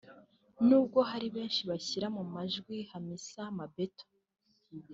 n’ubwo hari benshi bashyiraga mu majwi Hamisa Mabetto